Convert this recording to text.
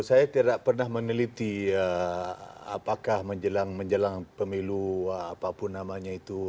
saya tidak pernah meneliti apakah menjelang menjelang pemilu apapun namanya itu